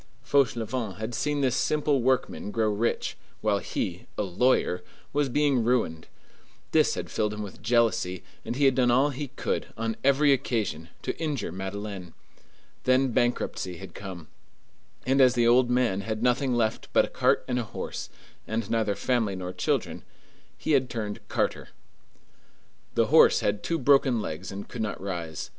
Fauchelevent had seen this simple workman grow rich, while he, a lawyer, was being ruined. This had filled him with jealousy, and he had done all he could, on every occasion, to injure Madeleine. Then bankruptcy had come; and as the old man had nothing left but a cart and a horse, and neither family nor children, he had turned carter. The horse had two broken legs and could not rise.